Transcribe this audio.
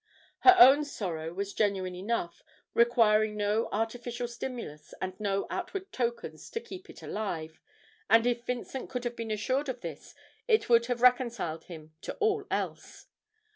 Her own sorrow was genuine enough, requiring no artificial stimulus and no outward tokens to keep it alive, and if Vincent could have been assured of this it would have reconciled him to all else.